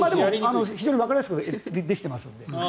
でも非常にわかりやすくできてますので。